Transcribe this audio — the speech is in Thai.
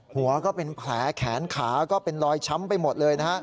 หัวก็เป็นแผลแขนขาก็เป็นรอยช้ำไปหมดเลยนะฮะ